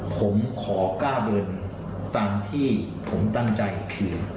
ผมขอกล้าเงินตามที่ผมตั้งใจคือ